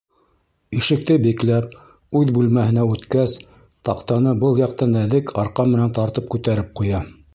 Ишекте бикләп, үҙ бүлмәһенә үткәс, таҡтаны был яҡтан нәҙек арҡан менән тартып күтәреп ҡуя.